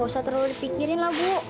gak usah terlalu dipikirin lah bu